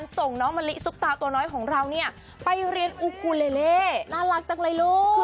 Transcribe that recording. ส่งน้องมะลิซุปตาตัวน้อยของเราเนี่ยไปเรียนอูคูเลเล่น่ารักจังเลยลูก